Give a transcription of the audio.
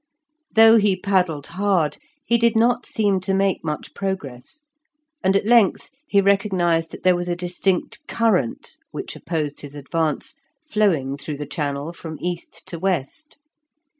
Though he paddled hard he did not seem to make much progress, and at length he recognised that there was a distinct current, which opposed his advance, flowing through the channel from east to west.